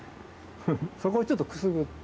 そこをちょっとくすぐって。